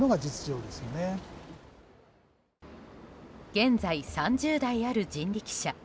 現在３０台ある人力車。